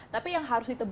tapi yang harus ditebakkan